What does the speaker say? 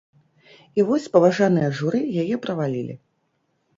І вось паважаныя журы яе правалілі.